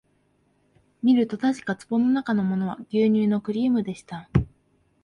みるとたしかに壺のなかのものは牛乳のクリームでした